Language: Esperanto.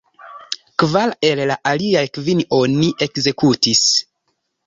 Kvar el la aliaj kvin oni ekzekutis.